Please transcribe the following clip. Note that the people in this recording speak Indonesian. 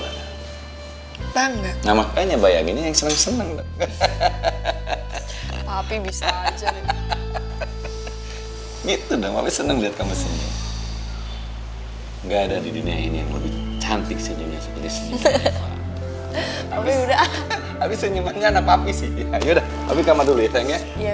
alhamdulillah penasnya udah agak turun